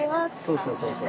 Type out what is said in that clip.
そうそうそうそう。